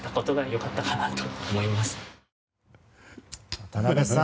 渡辺さん！